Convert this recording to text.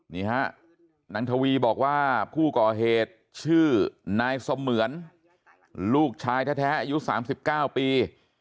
นี่ฮะนางทวีบอกว่าผู้ก่อเหตุชื่อนายเสมือนลูกชายแท้อายุ๓๙ปี